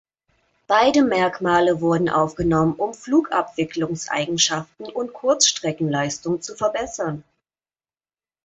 Beide Merkmale wurden aufgenommen, um Flugabwicklungseigenschaften und Kurzstreckenleistung zu verbessern.